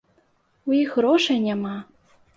У іх грошай няма!